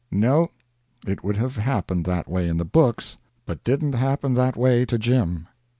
No; it would have happened that way in the books, but didn't happen that way to Jim.